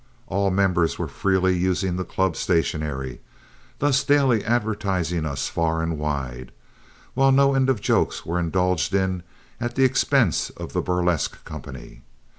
All members were freely using the club stationery, thus daily advertising us far and wide, while no end of jokes were indulged in at the expense of the burlesque company.